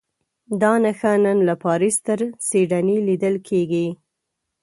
دا نښه نن له پاریس تر سیډني لیدل کېږي.